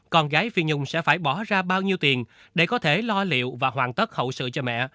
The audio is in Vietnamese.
con gái phi nhung sẽ phải bỏ ra bao nhiêu tiền để có thể lo liệu và hoàn tất hậu sự cho mẹ